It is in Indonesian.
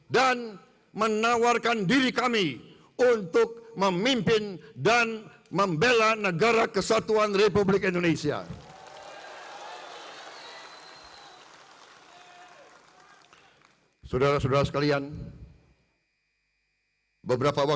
dan menawarkan diri kami untuk memimpin dan membela negara kesatuan republik indonesia